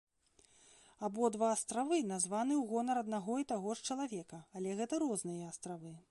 Абодва астравы названы ў гонар аднаго і таго ж чалавека, але гэта розныя астравы.